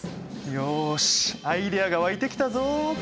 よしアイデアが湧いてきたぞ！